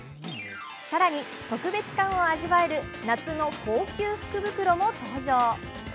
更に特別感を味わえる夏の高級福袋も登場。